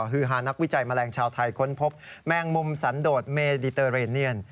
ฮือฮานักวิจัยแมลงชาวไทยค้นพบแมงมุมสันโดดเมดิเตอร์เรเนียน